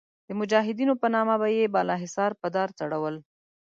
د مجاهدینو په نامه به یې بالاحصار په دار ځړول.